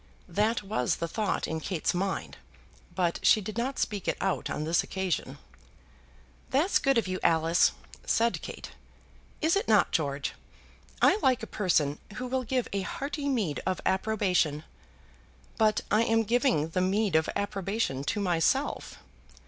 That was the thought in Kate's mind, but she did not speak it out on this occasion. "That's good of you, Alice," said Kate. "Is it not, George? I like a person who will give a hearty meed of approbation." "But I am giving the meed of approbation to myself."